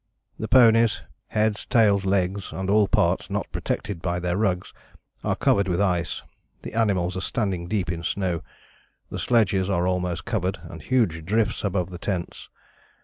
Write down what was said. The ponies heads, tails, legs and all parts not protected by their rugs are covered with ice; the animals are standing deep in snow, the sledges are almost covered, and huge drifts above the tents.